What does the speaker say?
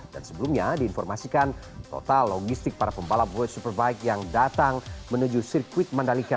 dan sebelumnya diinformasikan total logistik para pembalap world superbike yang datang menuju sirkuit mandalika